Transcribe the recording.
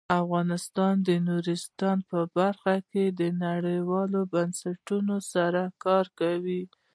افغانستان د نورستان په برخه کې له نړیوالو بنسټونو سره کار کوي.